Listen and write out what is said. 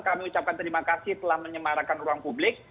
kami ucapkan terima kasih telah menyemarakan ruang publik